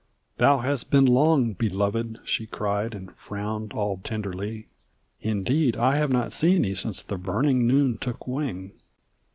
"Thou has been long, Beloved!" she cried, and frowned all tenderly, "Indeed I have not seen thee since the burning noon took wing."